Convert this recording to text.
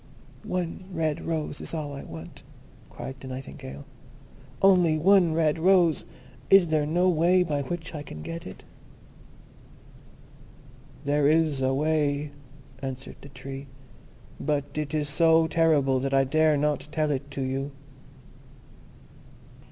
"One red rose is all I want," cried the Nightingale, "only one red rose! Is there no way by which I can get it?" "There is a way," answered the Tree; "but it is so terrible that I dare not tell it to you."